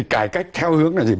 cải cách theo hướng là gì